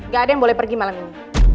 gak ada yang boleh pergi malam ini